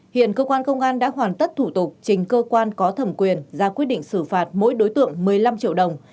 hiện cơ quan công an đã hoàn tất thủ tục trình cơ quan có thẩm quyền ra quyết định xử phạt mỗi đối tượng một mươi năm triệu đồng